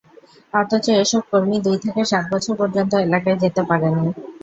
অথচ এসব কর্মী দুই থেকে সাত বছর পর্যন্ত এলাকায় যেতে পারেনি।